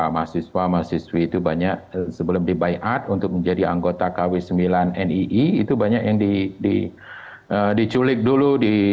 mahasiswa mahasiswi itu banyak sebelum dibayat untuk menjadi anggota kw sembilan nii itu banyak yang diculik dulu